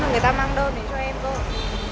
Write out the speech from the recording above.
người ta mang đơn để cho em thôi